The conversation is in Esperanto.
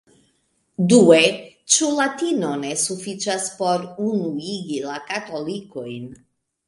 Due, ĉu latino ne sufiĉas por unuigi la katolikojn.